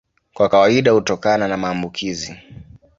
Kwa kawaida hutokana na maambukizi.